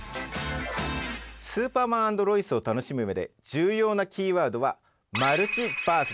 「スーパーマン＆ロイス」を楽しむ上で重要なキーワードはマルチバースです。